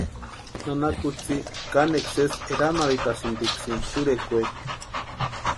Nana kutsï kanekwa sésï eranharhitasïntiksïni churekweeri.